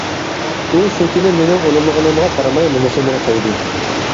ئۇ شۇ كۈنى مېنىڭ ئۇنىمىغىنىمغا قارىماي نومۇسۇمغا تەگدى.